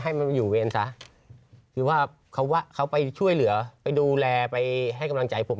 ให้มันไปอยู่เวรซะคือว่าเขาว่าเขาไปช่วยเหลือไปดูแลไปให้กำลังใจผม